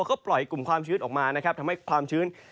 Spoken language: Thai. แล้วก็ปล่อยกลุ่มความชื้นออกมานะครับทำให้ความชื้น